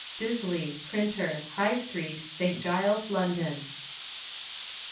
Disley, Printer, High street, St. Giles, London.